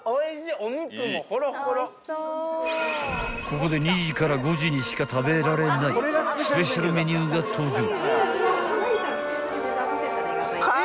［ここで２時から５時にしか食べられないスペシャルメニューが登場］